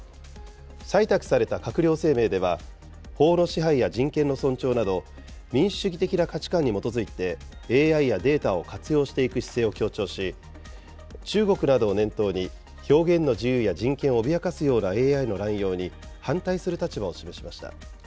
採択された閣僚声明では、法の支配や人権の尊重など、民主主義的な価値観に基づいて、ＡＩやデータを活用していく姿勢を強調し、中国などを念頭に、表現の自由や人権を脅かすようなＡＩの乱用に反対する立場を示しました。